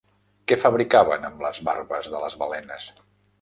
Què fabricaven amb les barbes de les balenes?